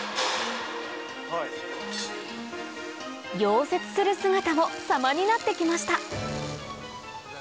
溶接する姿も様になって来ました